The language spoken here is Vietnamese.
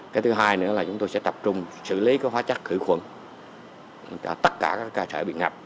cái thứ hai nữa là chúng tôi sẽ tập trung xử lý các hóa chất khử khuẩn cho tất cả các ca trại bị ngập